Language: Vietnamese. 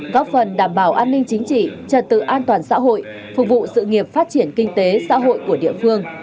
góp phần đảm bảo an ninh chính trị trật tự an toàn xã hội phục vụ sự nghiệp phát triển kinh tế xã hội của địa phương